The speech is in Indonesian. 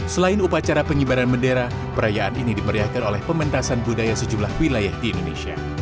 selain upacara pengibaran bendera perayaan ini dimeriahkan oleh pementasan budaya sejumlah wilayah di indonesia